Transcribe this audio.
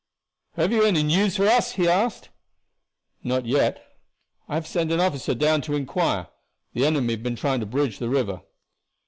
"Have you any news for us?" he asked. "Not yet, I have sent an officer down to inquire. The enemy have been trying to bridge the river.